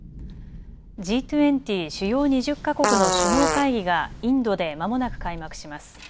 Ｇ２０・主要２０か国の首脳会議がインドでまもなく開幕します。